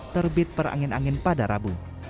terbit perangin angin pada rabu